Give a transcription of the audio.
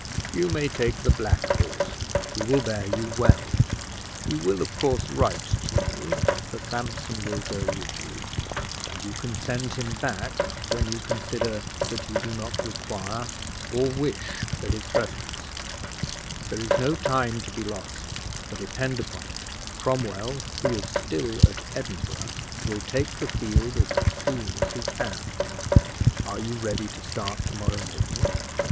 You may take the black horse; he will bear you well. You will of course write to me, for Sampson will go with you, and you can send him back when you consider that you do not require or wish for his presence: there is no time to be lost, for, depend upon it, Cromwell, who is still at Edinburgh, will take the field as soon as he can. Are you ready to start to morrow morning?"